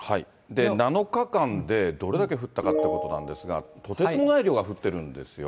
７日間でどれだけ降ったかということなんですが、とてつもない量が降っているんですよ。